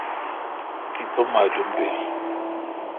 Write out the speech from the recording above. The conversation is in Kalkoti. تیپہ معالم بیل۔